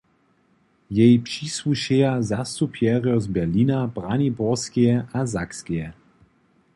Jej přisłušeja zastupjerjo z Berlina, Braniborskeje a Sakskeje.